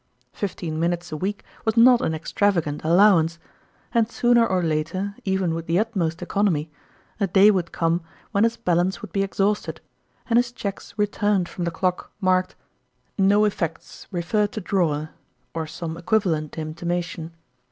Fifteen minutes a week was not an extravagant allowance ; and sooner or later, even with the utmost economy, a day would come when his balance would be exhausted, and his cheques returned from the JToii anb Counterfoil. 117 clock marked " ~No effects refer to drawer," or some equivalent intimation.